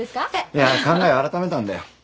いや考えを改めたんだよ。